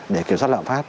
để kiểm soát lạm pháp